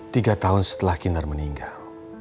tiga tahun setelah kinar meninggal